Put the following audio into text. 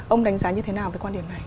ông đánh giá như thế nào về quan điểm này